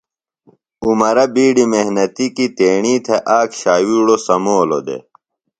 عمرہ بیڈیۡ محنتی کیۡ تیݨی تھےۡ آک شاویڑو سمولو دےۡ۔